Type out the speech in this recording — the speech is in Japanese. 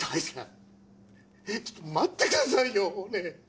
ちょっと待ってくださいよねえ。